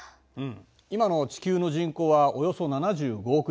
今の地球の人口はおよそ７５億人。